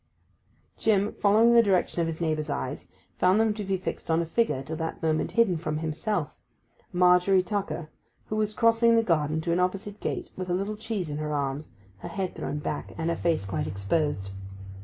Jim, following the direction of his neighbour's eyes, found them to be fixed on a figure till that moment hidden from himself—Margery Tucker—who was crossing the garden to an opposite gate with a little cheese in her arms, her head thrown back, and her face quite exposed.